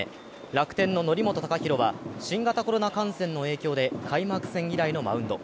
楽天の則本昂大は新型コロナ感染の影響で開幕戦以来のマウンド。